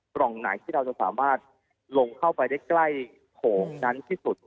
ร่องไหนที่เราจะสามารถลงเข้าไปได้ใกล้โถงนั้นที่สุด